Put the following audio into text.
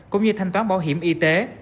cũng như thanh toán bảo hiểm y tế